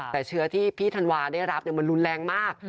แต่เชื้อที่พี่ธันวาได้รับมันรุนแรงมาก